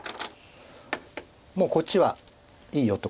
もうこっちはいいよと。